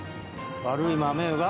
悪い豆が。